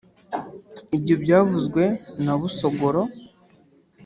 ibyo byavuzwe na Busogoro